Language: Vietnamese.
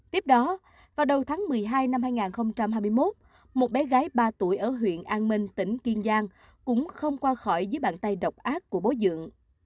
tiếp đó vào đầu tháng một mươi hai năm hai nghìn hai mươi một một bé gái ba tuổi ở huyện an minh tỉnh kiên giang cũng không qua khỏi dưới bàn tay độc ác của bố dưỡng